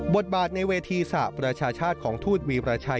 บทบาทในเวทีสระประชาชาติของทูตวีรชัย